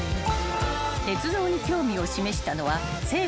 ［鉄道に興味を示したのは生後８カ月］